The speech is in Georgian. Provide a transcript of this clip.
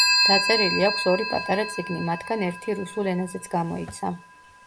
დაწერილი აქვს ორი პატარა წიგნი, მათგან ერთი რუსულ ენაზეც გამოიცა.